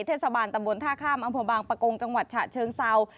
เทศบาลตะบนท่าข้ามอัมพบาลปะกงจังหวัดฉะเชิงเศรา